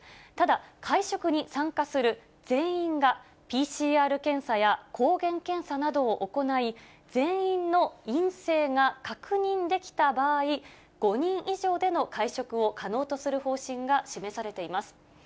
ただ、会食に参加する全員がＰＣＲ検査や抗原検査などを行い、全員の陰性が確認できた場合、５人以上での会食を可能とする方針が示されています。